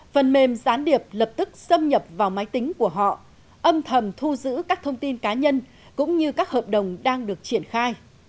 phần mềm gián điệp lập tức xâm nhập vào máy tính của họ âm thầm thu giữ các thông tin cá nhân cũng như các hợp đồng đang được triển khai